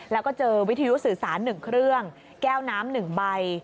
แล้วก็เจอวิทยุสื่อสาร๑เครื่องแก้วน้ำ๑ใบ